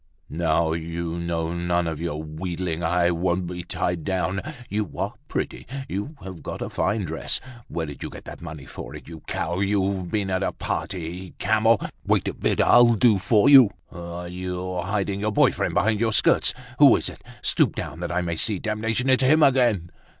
"Now, you know, none of your wheedling—I won't be tied down! You are pretty, you have got a fine dress. Where did you get the money for it, you cow? You've been at a party, camel! Wait a bit and I'll do for you! Ah! you're hiding your boy friend behind your skirts. Who is it? Stoop down that I may see. Damnation, it's him again!"